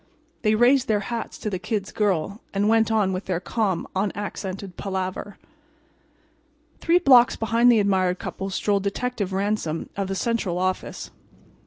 They raised their hats to the Kid's girl and went on with their calm, unaccented palaver. Three blocks behind the admired couple strolled Detective Ransom, of the Central office.